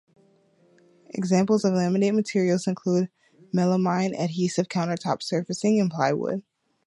Examples of laminate materials include melamine adhesive countertop surfacing and plywood.